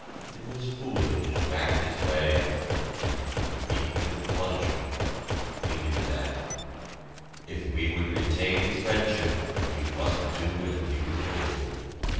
It was foolish to act this way, and would meet with punishment (we knew that). If we would retain his friendship, we must do as we were told.